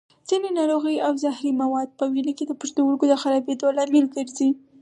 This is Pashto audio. ځینې ناروغۍ او زهري مواد په وینه کې د پښتورګو د خرابېدو لامل ګرځي.